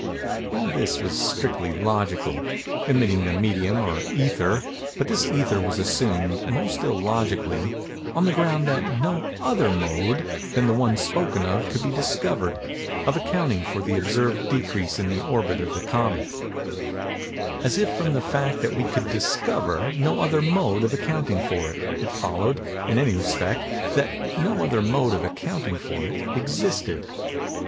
All this was strictly logical—admitting the medium or ether; but this ether was assumed, most illogically, on the ground that no other mode than the one spoken of could be discovered, of accounting for the observed decrease in the orbit of the comet:—as if from the fact that we could discover no other mode of accounting for it, it followed, in any respect, that no other mode of accounting for it existed.